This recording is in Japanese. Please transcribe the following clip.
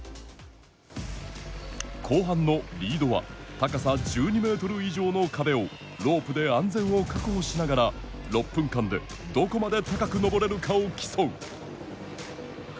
後半のリードは高さ１２メートル以上の壁をロープで安全を確保しながら６分間でどこまで高く登れるかを競う。